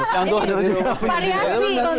yang tua ada di rumah